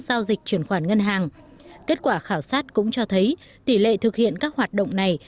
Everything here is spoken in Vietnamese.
giao dịch chuyển khoản ngân hàng kết quả khảo sát cũng cho thấy tỷ lệ thực hiện các hoạt động này